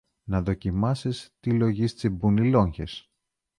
να δοκιμάσεις τι λογής τσιμπούν οι λόγχες